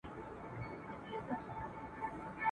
هره ورځ چي وو طبیب له کوره تللی ..